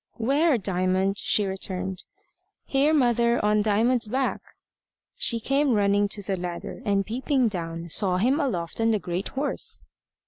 "Where, Diamond?" she returned. "Here, mother, on Diamond's back." She came running to the ladder, and peeping down, saw him aloft on the great horse.